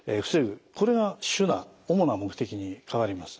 これが主な目的に変わります。